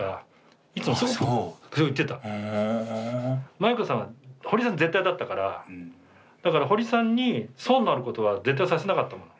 舞位子さんはホリさん絶対だったからだからホリさんに損のあることは絶対させなかったもん。